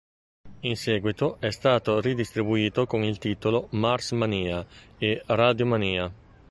In seguito è stato ridistribuito con il titolo "Mars-Mania" e "Radio-Mania".